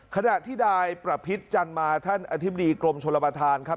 ขณะที่นายประพิษจันมาท่านอธิบดีกรมชลประธานครับ